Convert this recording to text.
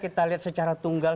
kita lihat secara tunggal